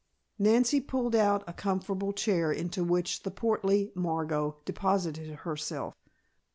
Nancy pulled out a comfortable chair into which the portly Margot deposited herself.